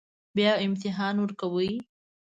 بیا امتحان ورکوئ